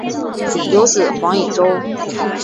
有子黄以周。